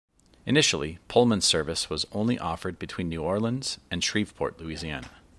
Initially, Pullman service was only offered between New Orleans and Shreveport, Louisiana.